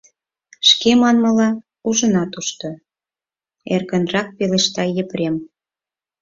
— Шке манмыла, ужына тушто, — эркынрак пелешта Епрем.